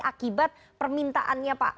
akibat permintaannya pak